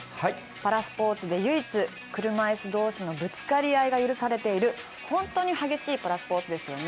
パラスポーツで唯一車いす同士のぶつかり合いが許されている本当に激しいパラスポーツですよね。